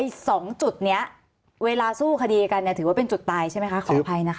สองจุดนี้เวลาสู้คดีกันเนี่ยถือว่าเป็นจุดตายใช่ไหมคะขออภัยนะคะ